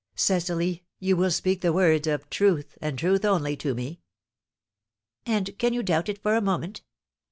"Cecily, you will speak the words of, truth and truth only to me?" "And can you doubt it for a moment?